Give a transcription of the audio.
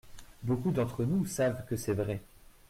Beaucoup d’entre nous savent que c’est vrai.